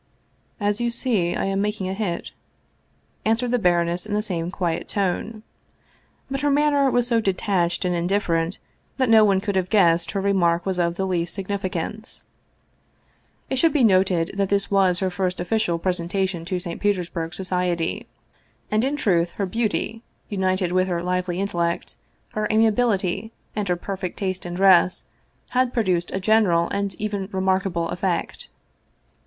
" As you see, I am making a hit," answered the baroness in the same quiet tone. But her manner was so detached and indifferent that no one could have guessed her re mark was of the least significance. It should be noted 208 Vsevolod Vladimir ovitch Krestovski that this was her first official presentation to St. Peters burg society. And in truth her beauty, united with her lively intellect, her amiability, and her perfect taste in dress, had produced a general and even remarkable effect.